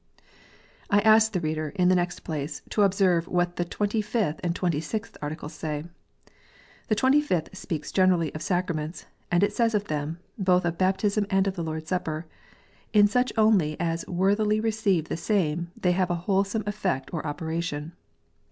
I ask the reader, in the next place, to observe what the Twenty fifth and Twenty sixth Articles say. The Twenty fifth speaks generally of sacraments ; and it says of them, both of baptism and of the Lord s Supper, "In such only as worthily receive the same they have a wholesome effect or operation."